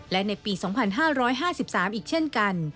และในปี๒๕๕๓อีกเช่นกัน